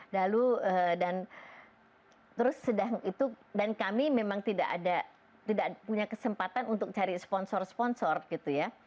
lalu dan terus sedang itu dan kami memang tidak ada tidak punya kesempatan untuk cari sponsor sponsor gitu ya